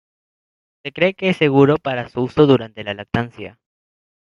Se cree que es seguro para su uso durante la lactancia.